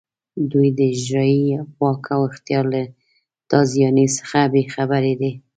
دوی د اجرایې واک او اختیار له تازیاني څخه بې برخې دي.